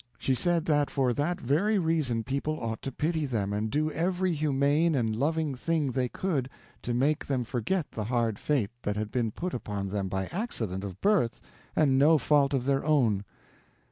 She said that for that very reason people ought to pity them, and do every humane and loving thing they could to make them forget the hard fate that had been put upon them by accident of birth and no fault of their own.